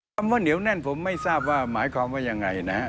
คำว่าเหนียวแน่นผมไม่ทราบว่าหมายความว่ายังไงนะฮะ